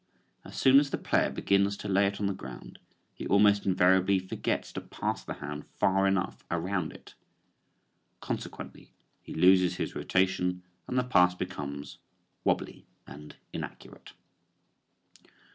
As soon as the player begins to lay it on the ground he almost invariably forgets to pass the hand far enough around it. Consequently he loses his rotation and the pass becomes "wobbly" and inaccurate.